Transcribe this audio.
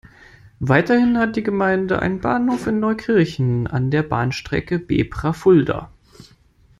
Weiterhin hat die Gemeinde einen Bahnhof in Neukirchen, an der Bahnstrecke Bebra–Fulda.